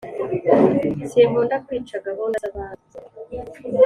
Sinkunda kwica gahunda zabandi